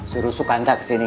suruh sukanta kesini